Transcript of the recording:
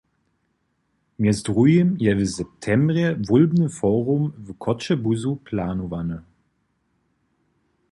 Mjez druhim je w septembrje wólbny forum w Choćebuzu planowany.